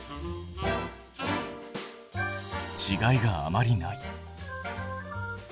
ちがいがあまりない。